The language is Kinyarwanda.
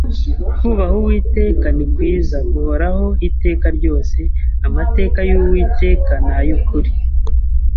Kubaha Uwiteka ni kwiza guhoraho iteka ryose, amateka y’Uwiteka ni ayo ukuri,